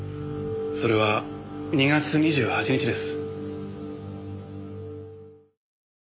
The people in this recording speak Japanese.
それは２月２８日です。